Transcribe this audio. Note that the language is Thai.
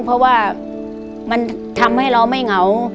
เพราะว่ามันทำให้เราไม่เหงา